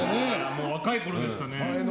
若いころでしたね。